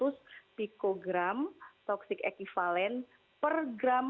ini adalah kata kata yang terkait dengan kata kata yang dikirakan oleh penelitian kami